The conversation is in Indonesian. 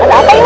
ada apa ini